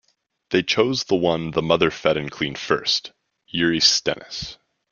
They chose the one the mother fed and cleaned first, Eurysthenes.